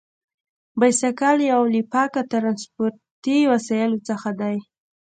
بایسکل یو له پاکو ترانسپورتي وسیلو څخه دی.